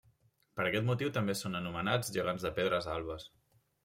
Per aquest motiu també són anomenats Gegants de Pedres Albes.